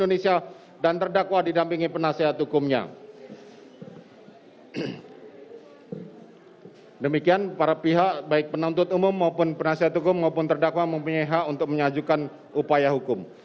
demikian para pihak baik penuntut umum maupun penasihat hukum maupun terdakwa mempunyai hak untuk menyajukan upaya hukum